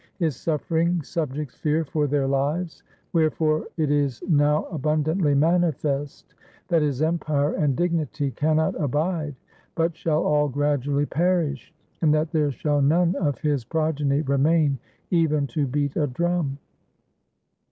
His suffering subjects fear for their lives. Wherefore it is now abundantly manifest that his empire and dignity cannot abide but shall all gradually perish, and that there shall none of his progeny remain even to beat a drum.'